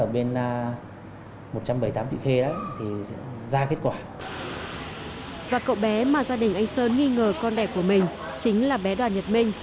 và cậu bé mà gia đình anh sơn nghi ngờ con đẻ của mình chính là bé đoàn nhật minh